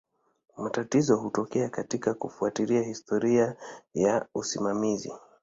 Matatizo hutokea katika kufuatilia historia ya usimamizi.